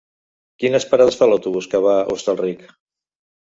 Quines parades fa l'autobús que va a Hostalric?